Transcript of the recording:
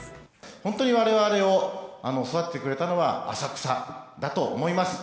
本当にわれわれを育ててくれたのは浅草だと思います。